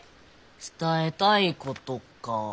伝えたいことか。